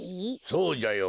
そうじゃよ。